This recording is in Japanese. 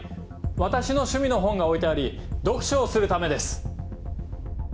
私の趣味の本が置いてあり読書をするためです。